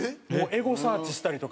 エゴサーチしたりとか。